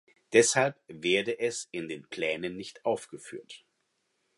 Deshalb werde es in den Plänen nicht aufgeführt.